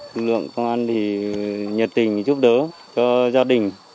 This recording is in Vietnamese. thực lượng công an thì nhiệt tình giúp đỡ cho gia đình